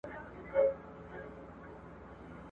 که باران وي که ژلۍ، مېلمه غواړي ښه مړۍ !.